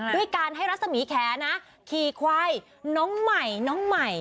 ด้วยการให้รัศมีแขนะขี่ควายน้องใหม่น้องใหม่